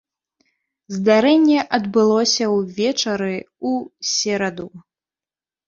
Здарэнне адбылося ўвечары ў сераду.